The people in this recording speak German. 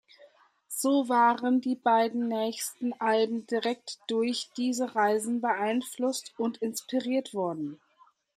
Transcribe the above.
So waren die beiden nächsten Alben direkt durch diese Reisen beeinflusst und inspiriert worden.